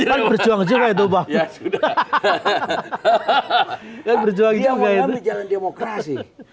dia mengambil jalan demokrasi